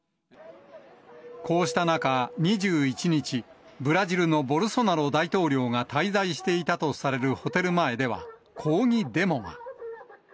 こうした中、２１日、ブラジルのボルソナロ大統領が滞在していたとされるホテル前では、抗議デモが。